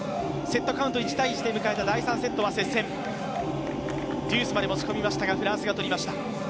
セットカウント１−１で迎えた第３セットは接戦、デュースまで持ち込みましたが、フランスが取りました。